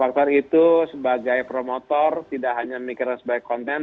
faktor itu sebagai promotor tidak hanya memikirkan sebagai konten